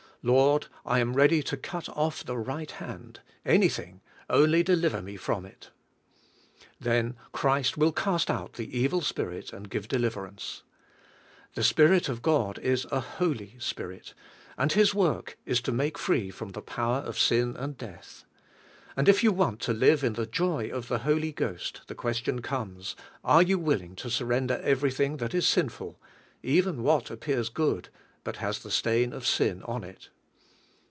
Lord, I am ready to cut off the right hand, anything, only deliver me from it." Then Christ will cast out the evil spirit and give deliverance. The Spirit of God is a holy spirit and His work is to make free from the power of sin and death. And if you want 138 JO V IN THE HOL V GHOST to live in the joy of the Holy Ghost, the question comes: "Are you willing to surrender even .^^ ing that is sinful, even what appears good, — Lul has the stain of sin on it?"